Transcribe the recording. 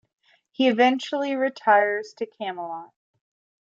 He eventually retires to Camelot.